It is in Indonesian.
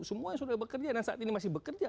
semua yang sudah bekerja dan saat ini masih bekerja